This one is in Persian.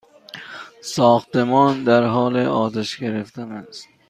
ساختمان در حال آتش گرفتن است!